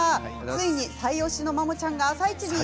ついに最推しのマモちゃんが「あさイチ」